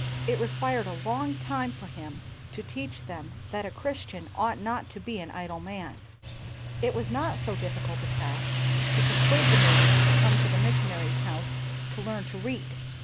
It required a long time for him to teach them that a Christian ought not to be an idle man. 96 WHITE MEN AND BLACK MEN It was not so difficult a task to persuade the natives to come to the missionaries' house to learn to read.